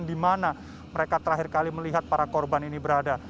di mana mereka terakhir kali melihat para korban ini berada